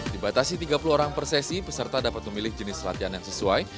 dibatasi tiga puluh orang per sesi peserta dapat memilih jenis latihan yang sesuai